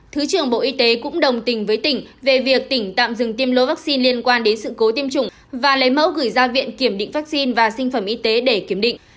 thứ trưởng bộ y tế cũng đồng tình với tỉnh về việc tỉnh tạm dừng tiêm lô vaccine liên quan đến sự cố tiêm chủng và lấy mẫu gửi ra viện kiểm định vaccine và sinh phẩm y tế để kiểm định